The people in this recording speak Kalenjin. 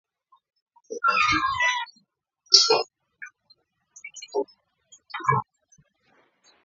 ndakibartech tuwai ko anee ko kiatuu ureriet nitok kityo